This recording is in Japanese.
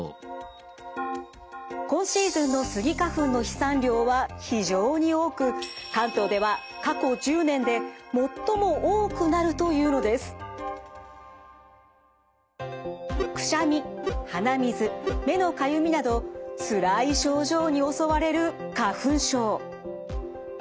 今シーズンのスギ花粉の飛散量は非常に多く関東では過去１０年で最も多くなるというのです。などつらい症状に襲われる花粉症。